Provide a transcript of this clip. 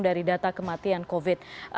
dari data kematian covid sembilan belas